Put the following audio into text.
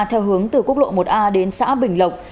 theo hướng từ quốc lộ một a đến xã bình lộc